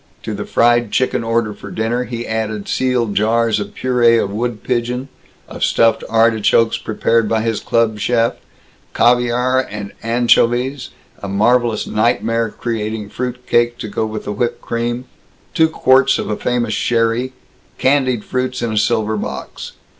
To the fried chicken ordered for dinner he added sealed jars of purée of wood pigeon, of stuffed artichokes prepared by his club chef; caviar and anchovies; a marvelous nightmare creating fruit cake to go with the whipped cream; two quarts of a famous sherry; candied fruits in a silver box.